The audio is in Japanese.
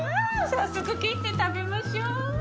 早速切って食べましょう。